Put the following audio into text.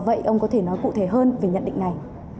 vậy ông có thể nói cụ thể hơn về nhận định này